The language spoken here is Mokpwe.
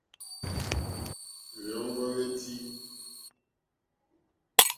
Hwèɔ́ŋɡɔ́ hwétí.